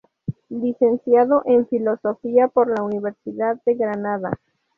Licenciado en Filosofía por la Universidad de Granada.